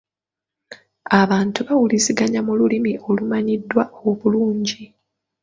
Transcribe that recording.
Abantu bawuliziganya mu lulimi olumanyiddwa obulungi.